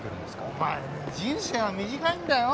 お前人生は短いんだよ？